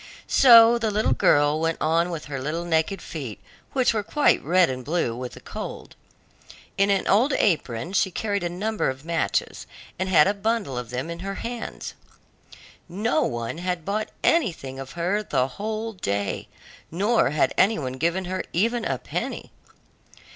So the little girl went on with her little naked feet, which were quite red and blue with the cold. In an old apron she carried a number of matches, and had a bundle of them in her hands. No one had bought anything of her the whole day, nor had any one given here even a penny.